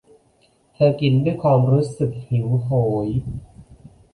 เธอกินด้วยความรู้สึกหิวโหย